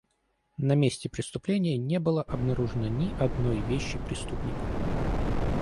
На месте преступления не было обнаружено ни одной вещи преступника.